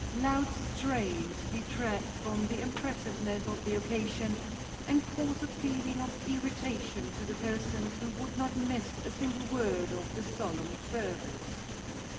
Loud strains detract from the impressiveness of the occasion, and cause a feeling of irritation to the persons who would not miss a single word of the solemn service.